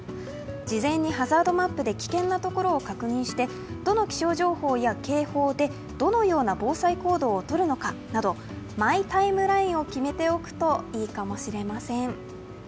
事前にハザードランプで危険なところを確認してどの気象情報や警報でどのような防災行動をとるのかなどマイ・タイムラインを決めておくといいかもしれません。